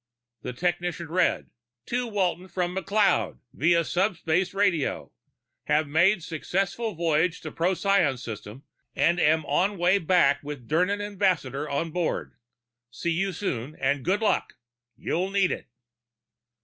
The technician read, "'To Walton from McLeod, via subspace radio: Have made successful voyage to Procyon system, and am on way back with Dirnan ambassador on board. See you soon, and good luck you'll need it.'"